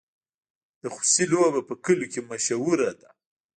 د خوسي لوبه په کلیو کې مشهوره ده.